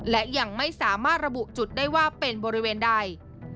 และยังไม่สามารถระบุจุดได้ว่าเป็นบริเวณใด